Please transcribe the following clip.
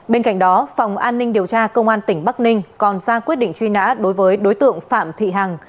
bên cạnh đó phòng an ninh điều tra công an tỉnh bắc ninh còn ra quyết định truy nã đối với đối tượng phạm thị hằng